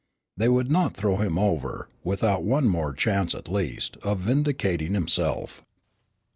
They would not throw him over, without one more chance, at least, of vindicating himself.